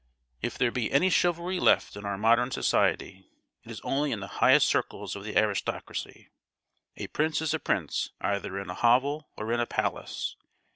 "If there be any chivalry left in our modern society, it is only in the highest circles of the aristocracy. A prince is a prince either in a hovel or in a palace!